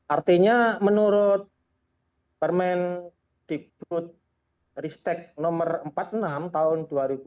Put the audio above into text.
artinya menurut permen diputristek nomor empat puluh enam tahun dua ribu dua puluh tiga